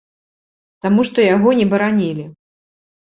Таму што яго не баранілі.